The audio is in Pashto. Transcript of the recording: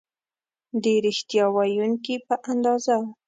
د ریښتیا ویونکي په اندازه